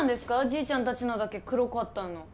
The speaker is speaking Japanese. じいちゃんたちのだけ黒かったの。